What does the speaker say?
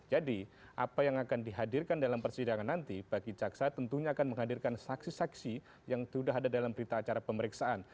jadi apa yang akan dihadirkan dalam persidangan nanti bagi jaksa tentunya akan menghadirkan saksi saksi yang sudah ada dalam berita acara pemeriksaan